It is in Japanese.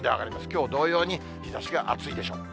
きょう同様に日ざしが暑いでしょう。